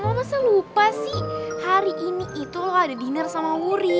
lo masa lupa sih hari ini itu lo ada dinner sama wuri